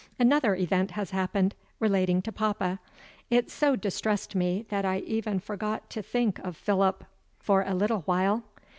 Another event has happened, relating to papa. It so distressed me that I even forgot to think of Philip for a little while.